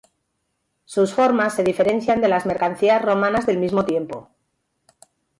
Sus formas se diferencian de las mercancías romanas del mismo tiempo.